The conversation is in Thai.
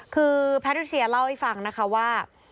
คือแพทริเซียเล่าให้ฟังนะคะว่า